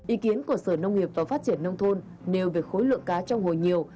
ý kiến của sở nông nghiệp và phát triển nông thôn nêu về khối lượng cá trong hồ nhiều